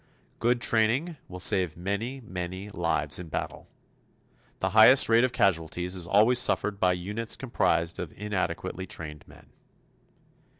Good training will save many, many lives in battle. The highest rate of casualties is always suffered by units comprised of inadequately trained men.